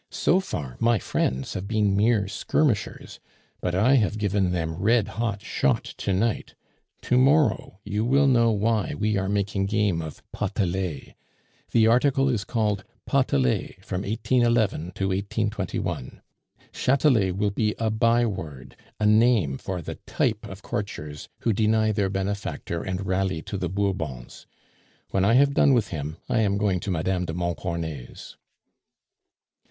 "So far, my friends have been mere skirmishers, but I have given them red hot shot to night. To morrow you will know why we are making game of 'Potelet.' The article is called 'Potelet from 1811 to 1821.' Chatelet will be a byword, a name for the type of courtiers who deny their benefactor and rally to the Bourbons. When I have done with him, I am going to Mme. de Montcornet's."